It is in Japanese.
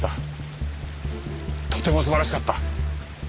とても素晴らしかった！